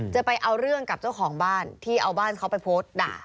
จะเอาเรื่องกับเจ้าของบ้านที่เอาบ้านเขาไปโพสต์ด่า